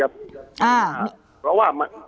เพราะว่า